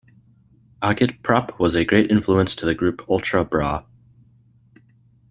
Agit-prop was a great influence to the group Ultra Bra.